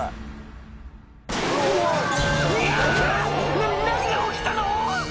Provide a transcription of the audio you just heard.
な何が起きたの⁉